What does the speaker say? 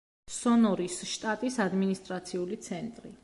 სონორის შტატის ადმინისტრაციული ცენტრი.